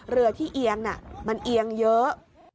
เรือที่เอียงมันเอียงเยอะ